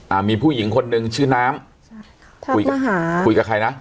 อ่ามีผู้หญิงคนหนึ่งชื่อน้ำใช่คุยกับหาคุยกับใครนะ